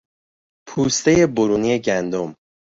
پوستهی برونی گندم